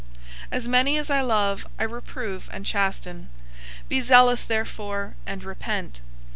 003:019 As many as I love, I reprove and chasten. Be zealous therefore, and repent.